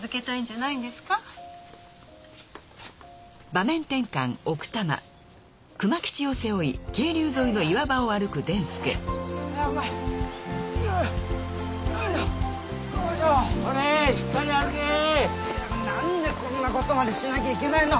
なんでこんなことまでしなきゃいけないの！